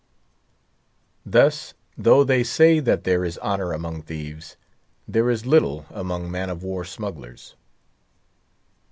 Thus, though they say that there is honour among thieves, there is little among man of war smugglers.